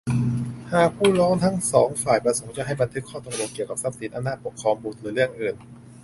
หากผู้ร้องทั้ง สอง ฝ่ายประสงค์จะให้บันทึกข้อตกลงเกี่ยวกับทรัพย์สิน อำนาจปกครองบุตร หรือเรื่องอื่น